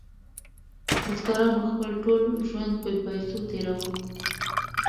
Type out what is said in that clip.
بزګرانو خپل ټول ژوند بې پیسو تیروه.